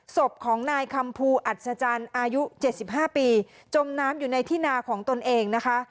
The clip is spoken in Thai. ศพของนายคำภูอัศจรรย์อายุ๗๕ปีจมน้ำอยู่ในที่นาของตนเองนะคะ